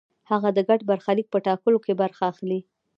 هغه د ګډ برخلیک په ټاکلو کې برخه اخلي.